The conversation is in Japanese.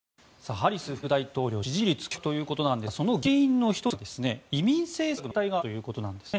ハリス副大統領支持率急落ということなんですがその原因の１つが移民政策の停滞があるということなんですね。